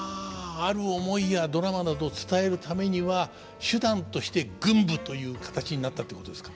ある思いやドラマなどを伝えるためには手段として群舞という形になったってことですか？